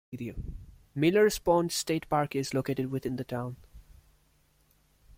Miller's Pond State Park is located within the town.